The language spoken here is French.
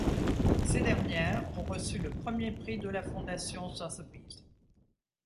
Ces dernières ont reçu le premier prix de la fondation Sotheby’s.